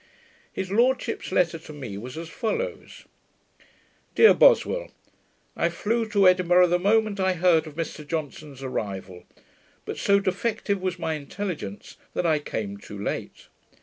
His lordship's letter to me was as follows: Dear Boswell, I flew to Edinburgh the moment I heard of Mr Johnson's arrival; but so defective was my intelligence, that I came too late.